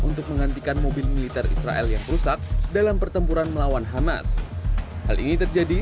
untuk menggantikan mobil militer israel yang rusak dalam pertempuran melawan hamas hal ini terjadi